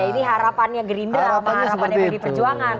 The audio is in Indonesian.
ini harapannya gerindra sama harapannya pdi perjuangan